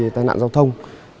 tai nạn giao thông